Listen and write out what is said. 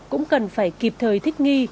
cũng cần phải kịp thời thích nghi